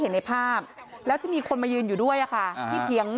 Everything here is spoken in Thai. เห็นในภาพแล้วที่มีคนมายืนอยู่ด้วยค่ะที่เถียง